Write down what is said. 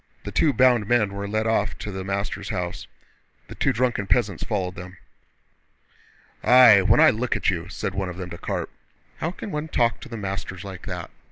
The two bound men were led off to the master's house. The two drunken peasants followed them. "Aye, when I look at you!..." said one of them to Karp. "How can one talk to the masters like that?